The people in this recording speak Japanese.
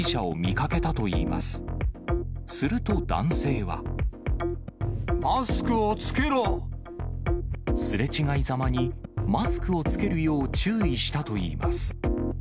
すれ違いざまに、マスクを着けるよう注意したといいます。